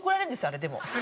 あれでも。